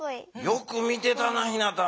よく見てたなひなた。